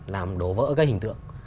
làm đổ vỡ cái hình tượng